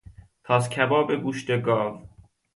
تاسکباب گوشت گاو